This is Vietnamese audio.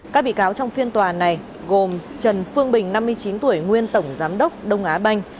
các bị cáo trong phiên tòa này gồm trần phương bình năm mươi chín tuổi nguyên tổng giám đốc đông á banh